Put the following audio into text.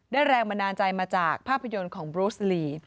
แรงบันดาลใจมาจากภาพยนตร์ของบลูสลี